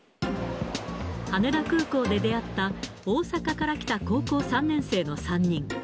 羽田空港で出会った、大阪から来た高校３年生の３人。